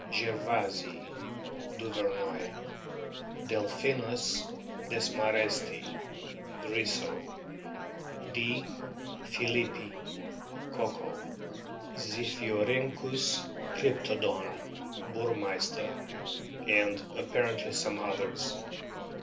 gervaisii, Duvernoy ; Delpkinus desma restii, Risso ; D. plulippii, Cocco ; Zipkiorhynchus cryptodon, Burmeister; and apparently some others.